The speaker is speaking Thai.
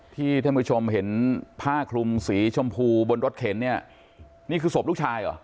ท่านผู้ชมเห็นผ้าคลุมสีชมพูดนรถเข็นเนี่ยนี่คือศพลูกชายเหรอ